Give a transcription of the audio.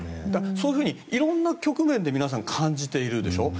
そういうふうに色んな局面でみんな感じているでしょ。